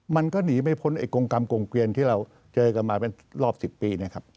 มันก็หนีไม่พ้นไอ้กงกรรมกงเกวียนที่เราเจอกันมาเป็นรอบ๑๐ปีนะครับ